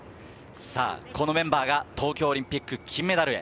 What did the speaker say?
このメンバーが東京オリンピック金メダルへ。